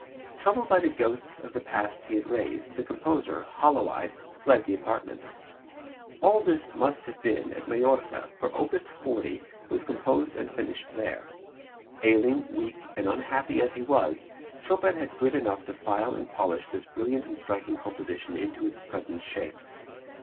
Troubled by the ghosts of the past he had raised, the composer, hollow eyed, fled the apartment. All this must have been at Majorca, for op. 40 was composed or finished there. Ailing, weak and unhappy as he was, Chopin had grit enough to file and polish this brilliant and striking composition into its present shape.